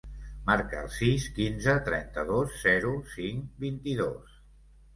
Marca el sis, quinze, trenta-dos, zero, cinc, vint-i-dos.